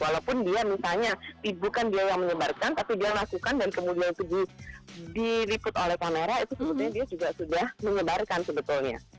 walaupun dia misalnya bukan dia yang menyebarkan tapi dia lakukan dan kemudian itu diliput oleh kamera itu sebetulnya dia juga sudah menyebarkan sebetulnya